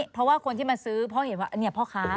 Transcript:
เพราะว่าคนที่มาซื้อเพราะเห็นว่าอันนี้พ่อค้า